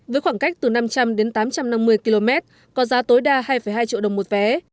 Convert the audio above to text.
với khoảng cách từ năm trăm linh đến tám trăm năm mươi km có giá tối đa hai hai triệu đồng một vé